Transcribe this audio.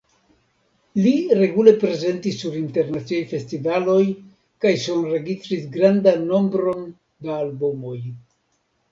Li regule prezentis sur internaciaj festivaloj kaj sonregistris grandan nombron da albumoj.